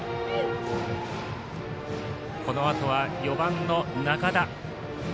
このあとは４番の仲田。